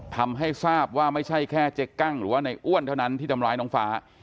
ทำให้ทราบว่าไม่ใช่แค่เจ๊กั้งหรือว่าในอ้วนเท่านั้นที่ทำร้ายน้องฟ้า